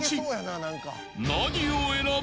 ［何を選ぶ？］